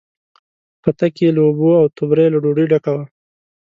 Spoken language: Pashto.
پتک یې له اوبو، او توبره یې له ډوډۍ ډکه وه.